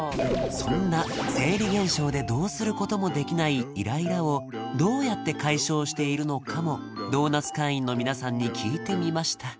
そんな生理現象でどうすることもできないイライラをどうやって解消しているのかもドーナツ会員の皆さんに聞いてみました